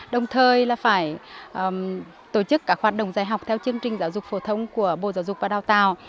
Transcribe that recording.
đồng thời là phải tổ chức các hoạt động dạy học theo chương trình giáo dục phổ thông của bộ giáo dục và đào tạo